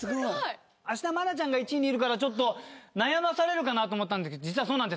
芦田愛菜ちゃん１位にいるから悩まされるかと思ったんですが実はそうなんです。